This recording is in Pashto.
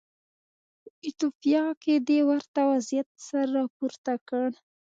په ایتوپیا کې د ورته وضعیت سر راپورته کړ.